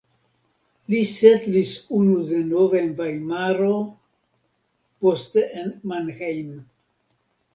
Li setlis unu denove en Vajmaro, poste en Mannheim.